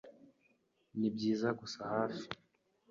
Nibyiza gusa hafi.